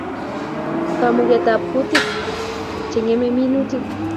Kamuktaet ab kutik Che ng'emei minutik